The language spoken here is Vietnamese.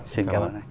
xin cảm ơn